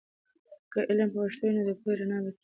که علم په پښتو وي، نو د پوهې رڼا به تل وي.